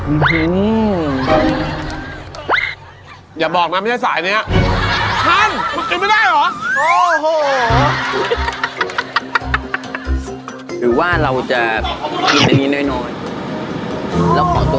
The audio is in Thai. อื้อฮืออย่าบอกมันไม่ใช่สายเนี้ยมันกินไม่ได้เหรอโอ้โห